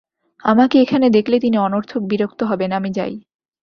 আমাকে এখানে দেখলে তিনি অনর্থক বিরক্ত হবেন, আমি যাই।